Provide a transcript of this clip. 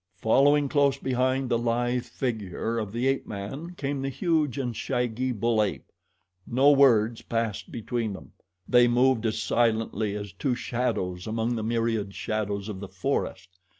Following close behind the lithe figure of the ape man came the huge and shaggy bull ape. No words passed between them. They moved as silently as two shadows among the myriad shadows of the forest.